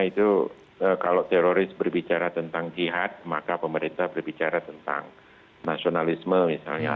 itu kalau teroris berbicara tentang jihad maka pemerintah berbicara tentang nasionalisme misalnya